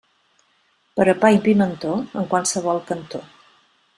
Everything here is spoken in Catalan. Per a pa i pimentó, en qualsevol cantó.